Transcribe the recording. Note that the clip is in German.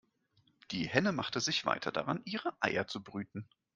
Die Henne machte sich weiter daran, ihre Eier zu brüten.